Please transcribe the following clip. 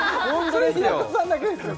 それ平子さんだけですよ